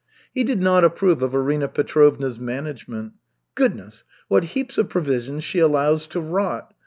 He did not approve of Arina Petrovna's management. "Goodness, what heaps of provisions she allows to rot!